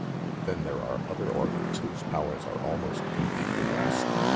"Then there are other organs whose powers are almost completely lost.